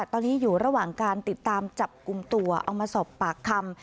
ตอนนี้อยู่ระหว่างการติดตามจับกลุ่มตัวเอามาสอบปากคำ